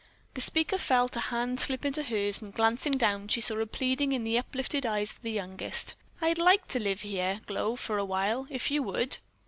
The speaker felt a hand slip into hers and, glancing down, she saw a pleading in the uplifted eyes of their youngest. "I'd like to live here, Glow, for a while, if you would."